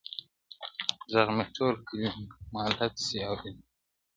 ږغ مي ټول کلی مالت سي اورېدلای،